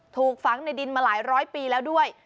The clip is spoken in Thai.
ถูกฝังในดินมาหลายร้อยปีแล้วด้วย